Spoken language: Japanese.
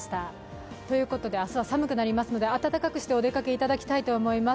明日は寒くなりますので、暖かくしてお出かけしていただきたいと思います。